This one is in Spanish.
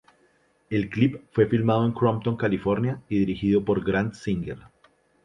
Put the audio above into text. El clip fue filmado en Compton, California y dirigido por Grant Singer.